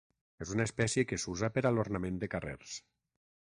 És una espècie que s'usa per a l'ornament de carrers.